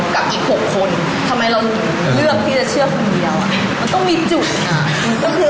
แค่ต้องการความมั่นใจ